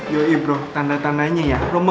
yuki bro tanda tandanya ya